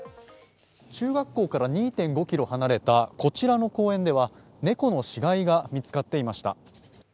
中学校から２．５ｋｍ離れたこちらの公園では猫の死骸が見つかっていました。